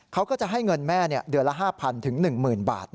เขาก็จะให้เงินแม่เดือนละ๕๐๐๑๐๐บาท